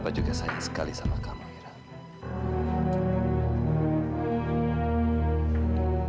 bapak juga sayang sekali sama kamu ira